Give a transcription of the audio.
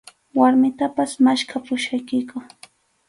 Warmitapas maskhapusaykiku.